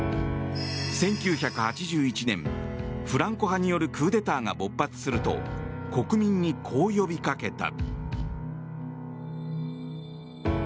１９８１年フランコ派によるクーデターが勃発すると国民にこう呼びかけた。